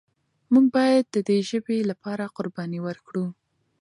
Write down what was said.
موږ باید د دې ژبې لپاره قرباني ورکړو.